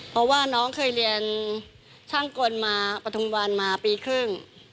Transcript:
เพราะว่าน้องเคยเรียนช่างกลมาปฐุมวันมาปีครึ่ง